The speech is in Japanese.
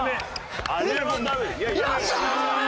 よっしゃー！